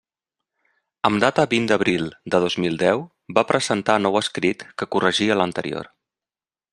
Amb data vint d'abril de dos mil deu va presentar nou escrit que corregia l'anterior.